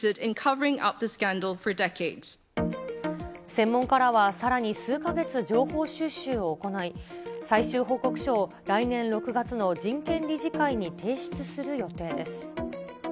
専門家らはさらに数か月情報収集を行い、最終報告書を来年６月の人権理事会に提出する予定です。